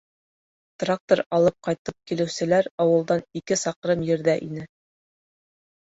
Трактор алып ҡайтып килеүселәр ауылдан ике саҡрым ерҙә ине.